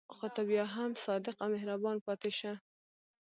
خو ته بیا هم صادق او مهربان پاتې شه.